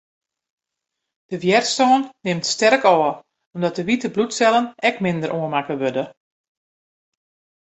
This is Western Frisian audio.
De wjerstân nimt sterk ôf, omdat de wite bloedsellen ek minder oanmakke wurde.